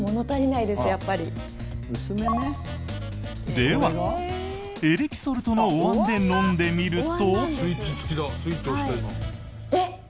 では、エレキソルトのおわんで飲んでみると。